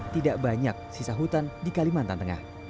tidak banyak sisa hutan di kalimantan tengah